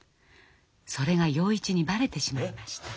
それが洋一にバレてしまいました。